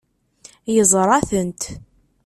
Yeẓra-tent.